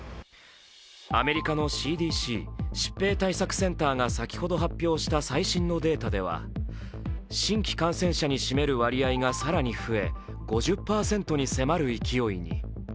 アメリカのＣＤＣ＝疾病対策センターが先ほど発表した最新のデータでは新規感染者に占める割合が更に増え５０％に迫る勢いに。